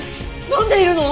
なんでいるの？